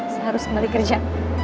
saya harus kembali kerja